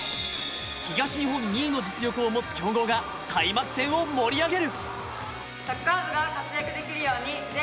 東日本２位の実力を持つ強豪が、開幕戦を盛り上げる。